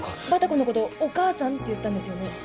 バタコのこと「お母さん」って言ったんですよね？